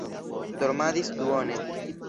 Dormadis duone.